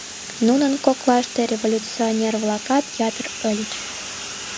Нунын коклаште революционер-влакат ятыр ыльыч.